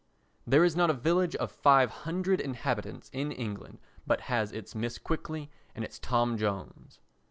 There is not a village of 500 inhabitants in England but has its Mrs. Quickly and its Tom Jones.